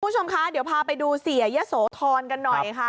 คุณผู้ชมคะเดี๋ยวพาไปดูเสียยะโสธรกันหน่อยค่ะ